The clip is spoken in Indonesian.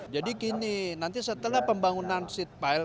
jadi kini nanti setelah pembangunan sheet pile